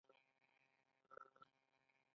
آیا د ایران تاریخ زرین نه دی؟